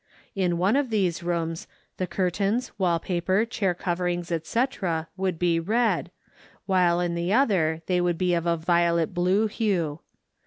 In one of these rooms the curtains, wall paper, chair coverings, etc., would be red, while in the other they would be of a violet blue hue.